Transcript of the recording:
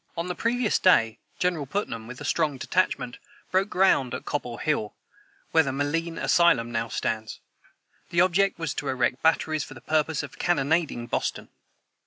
] [Footnote 182: On the previous day, General Putnam, with a strong detachment, broke ground at Cobble hill, where the M'Lean Asylum now stands. The object was to erect batteries for the purpose of cannonading Boston.